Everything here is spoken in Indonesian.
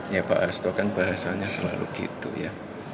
ya pak hasto kan bahasanya selalu gitu ya